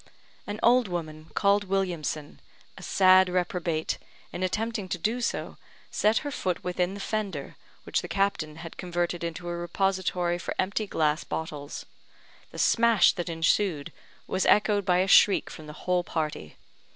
An old woman, called Williamson, a sad reprobate, in attempting to do so, set her foot within the fender, which the captain had converted into a repository for empty glass bottles; the smash that ensued was echoed by a shriek from the whole party.